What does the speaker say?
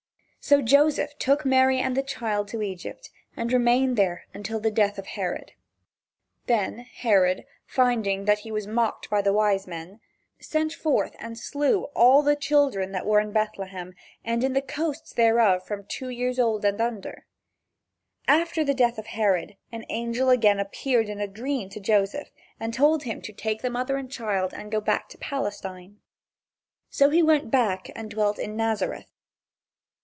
So Joseph took Mary and the child to Egypt and remained there until the death of Herod. Then Herod, finding that he was mocked by the wise men, "sent forth and slew all the children that were in Bethlehem and in all the coasts thereof from two years old and under." After the death of Herod an angel again appeared in a dream to Joseph and told him to take mother and child and go back to Palestine. So he went back and dwelt in Nazareth.